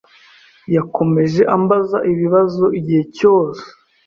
Yakomeje ambaza ibibazo igihe cyose.